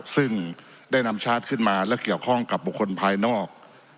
ซึ่งได้นำชาร์จขึ้นมาและเกี่ยวข้องกับบุคคลภายนอก